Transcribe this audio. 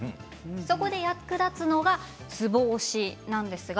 そこで役立つのがツボ押しです。